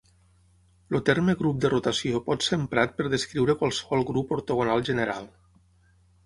El terme grup de rotació pot ser emprat per descriure qualsevol grup ortogonal general.